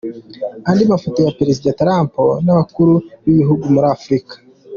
Andi mafoto ya Perezida Trump n’abakuru b’ibihugu muri Afurika.